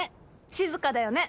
静かだよね！